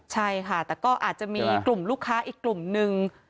ใช่ค่ะแต่ก็อาจจะมีกลุ่มลูกค้าอีกกลุ่มนึง